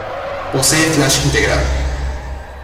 Posee flash integrado.